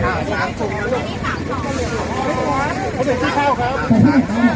สวัสดีครับทุกคนวันนี้เกิดขึ้นทุกวันนี้นะครับ